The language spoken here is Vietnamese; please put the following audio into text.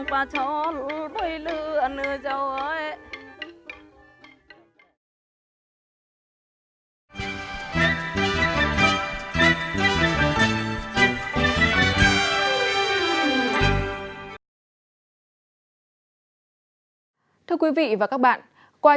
qua trích đoạn biểu diễn của bài hát này